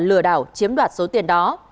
lừa đảo chiếm đoạt số tiền đó